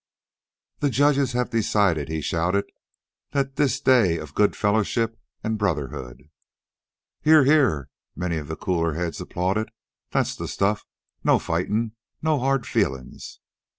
"The judges have decided," he shouted, "that this day of good fellowship an' brotherhood " "Hear! Hear!" Many of the cooler heads applauded. "That's the stuff!" "No fightin'!" "No hard feelin's!"